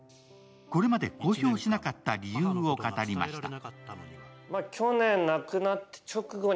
これまで公表しなかった理由を語りました。